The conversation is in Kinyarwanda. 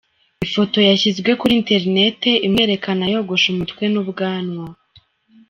Ifoto yashyizwe kuri internet imwerekana yogoshe umutwe n’ubwanwa.